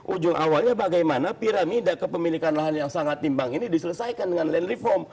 ujung awalnya bagaimana piramida kepemilikan lahan yang sangat timbang ini diselesaikan dengan land reform